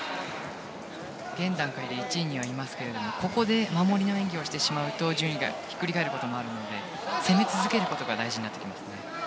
現段階で１位にはいますけどここで守りの演技をしてしまうと順位がひっくり返ることもあるので攻め続けることが大事になってきますね。